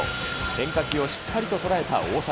変化球をしっかりと捉えた大谷。